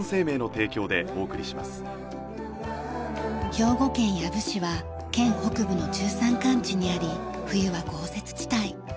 兵庫県養父市は県北部の中山間地にあり冬は豪雪地帯。